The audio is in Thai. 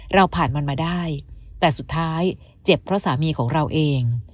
เราผ่านมันมาได้แต่สุดท้ายเจ็บเพราะสามีของเราเอง